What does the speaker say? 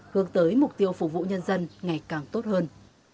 hướng tới mục tiêu phục vụ nhân dân ngày càng tốt hơn